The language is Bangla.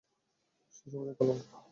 সে সমাজের কলঙ্ক।